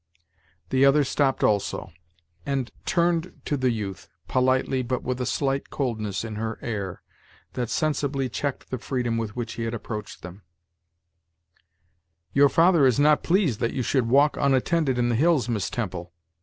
The other stopped also, and turned to the youth, politely but with a slight coldness in her air, that sensibly checked the freedom with which he had approached them, "Your father is not pleased that you should walk unattended in the hills, Miss Temple.